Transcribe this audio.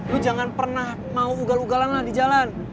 lu jangan pernah mau ugal ugalan lah di jalan